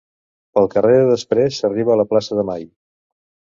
Pel carrer de després s'arriba a la plaça de mai.